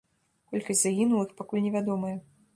Колькасць загінулых пакуль не вядомая.